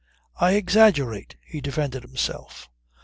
"I exaggerate!" he defended himself.